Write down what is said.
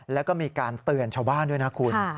แล้วก็มีการเตือนชาวบ้านด้วยนะคุณ